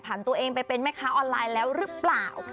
ตัวเองไปเป็นแม่ค้าออนไลน์แล้วหรือเปล่า